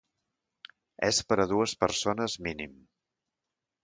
És per a dues persones mínim.